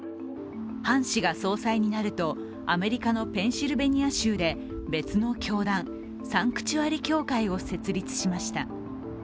ハン氏が総裁になるとアメリカのペンシルベニア州で別の教団、サンクチュアリ教会を設立しました。